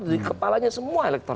jadi kepalanya semua elektoral